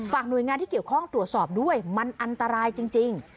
หน่วยงานที่เกี่ยวข้องตรวจสอบด้วยมันอันตรายจริง